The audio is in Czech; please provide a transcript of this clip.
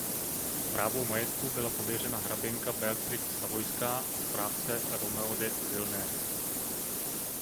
Správou majetku byla pověřena hraběnka Beatrix Savojská a správce Romeo de Villeneuve.